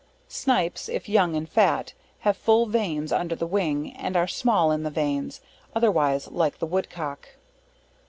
Snipes, if young and fat, have full veins under the wing, and are small in the veins, otherwise like the Woodcock.